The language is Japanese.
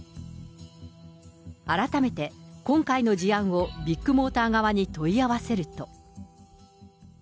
改めて今回の事案をビッグモーター側に問い合わせると。